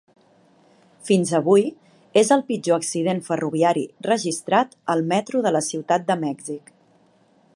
Fins avui, és el pitjor accident ferroviari registrat al Metro de la Ciutat de Mèxic.